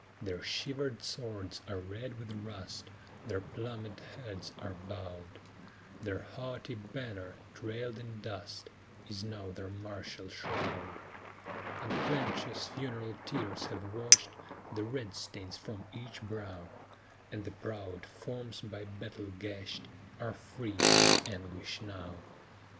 Their shivered swords are red with rust; Their plumèd heads are bowed; Their haughty banner, trailed in dust, Is now their martial shroud. And plenteous funeral tears have washed The red stains from each brow, And the proud forms, by battle gashed, Are free from anguish now.